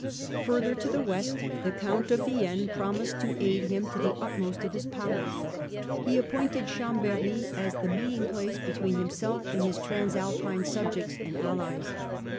Further to the west the Count of Vienne promised to aid him to the utmost of his power. He appointed Chambery as the meeting place between himself and his Transalpine subjects and allies.